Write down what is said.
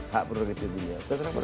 hak pro rekit dunia